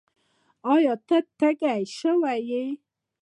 ایا؛ ته تږی شوی یې؟